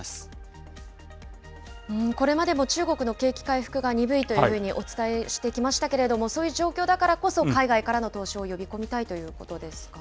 これまでも中国の景気回復が鈍いというふうにお伝えしてきましたけれども、そういう状況だからこそ、海外からの投資を呼び込みたいということですかね。